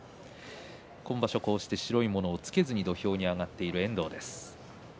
今場所は、白いものをつけずに土俵に上がっている遠藤です。